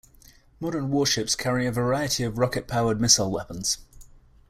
Modern warships carry a variety of rocket-powered missile weapons.